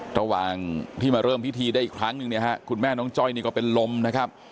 ระหว่างที่มาเริ่มพิธีได้อีกครั้งหนึ่งเนี่ยฮะคุณแม่น้องจ้อยนี่ก็เป็นลมนะครับ